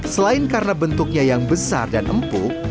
selain karena bentuknya yang besar dan empuk